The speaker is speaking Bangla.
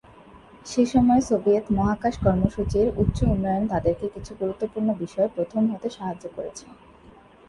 সে সময়ে সোভিয়েত মহাকাশ কর্মসূচির উচ্চ উন্নয়ন তাদেরকে কিছু গুরুত্বপূর্ণ বিষয়ে প্রথম হতে সাহায্য করেছে।